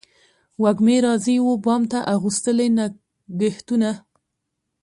وږمې راځي و بام ته اغوستلي نګهتونه